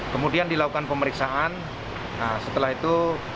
kemudian dilakukan pemeriksaan setelah itu